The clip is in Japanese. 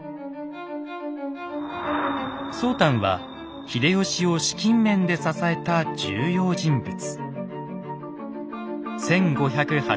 宗湛は秀吉を資金面で支えた重要人物。